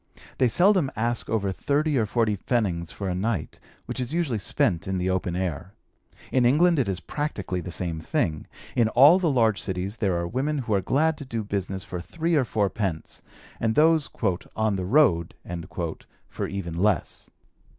They seldom ask over thirty or forty pfennigs for a night, which is usually spent in the open air. In England it is practically the same thing. In all the large cities there are women who are glad to do business for three or four pence, and those "on the road" for even less.